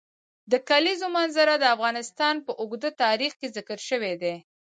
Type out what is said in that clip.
د کلیزو منظره د افغانستان په اوږده تاریخ کې ذکر شوی دی.